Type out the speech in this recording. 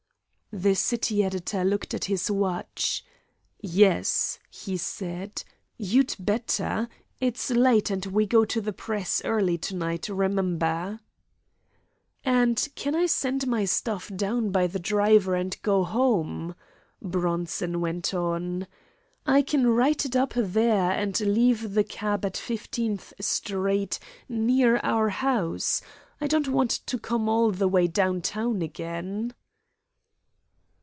The city editor looked at his watch. "Yes," he said; "you'd better; it's late, and we go to press early to night, remember." "And can I send my stuff down by the driver and go home?" Bronson went on. "I can write it up there, and leave the cab at Fifteenth Street, near our house. I don't want to come all the way down town again."